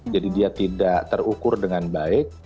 jadi dia tidak terukur dengan baik